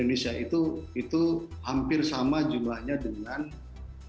karena itu pasti menjadi bagian dari keramaian netizen indonesia